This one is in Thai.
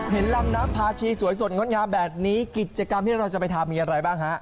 ลำน้ำพาชีสวยสดงดงามแบบนี้กิจกรรมที่เราจะไปทำมีอะไรบ้างฮะ